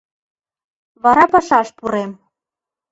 Вара пашаш пурем.